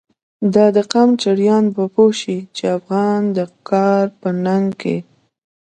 دا د قم چړیان به پوه شی، چی افغان د کار په ننگ کی